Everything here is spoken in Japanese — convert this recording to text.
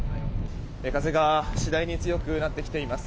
風が次第に強くなってきています。